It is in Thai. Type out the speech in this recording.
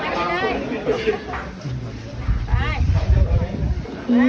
อย่าต้องใช้อาหารของเรา